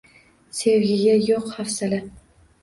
— Sevgiga yo’q hafsala.